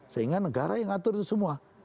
sehingga negara yang ngatur itu semua